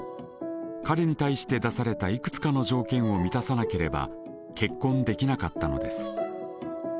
彼に対して出されたいくつかの条件を満たさなければ結婚できなかったのです。